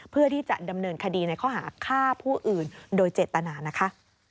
เพื่อที่จะดำเนินคดีในข้อหาฆ่าผู้อื่นโดยเจตนานะคะ